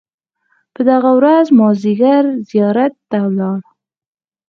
په دغه ورځ مازیګر زیارت ته ولاړو.